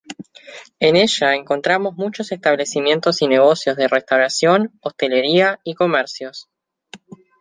En ella encontramos muchos establecimientos y negocios de restauración, hostelería y comercios.